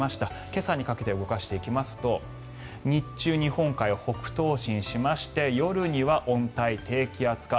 今朝にかけて動かしていきますと日中、日本海を北東進しまして夜には温帯低気圧化。